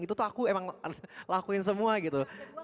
itu tuh aku emang lakuin semua gitu